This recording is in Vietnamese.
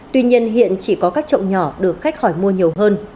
tuy nhiên hiện chỉ có các trậu nhỏ được khách hỏi mua nhiều hơn